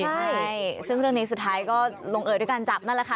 ใช่ซึ่งเรื่องนี้สุดท้ายก็ลงเอยด้วยการจับนั่นแหละค่ะ